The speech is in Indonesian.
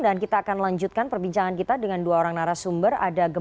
dan kita akan lanjutkan perbincangan kita dengan dua narasumber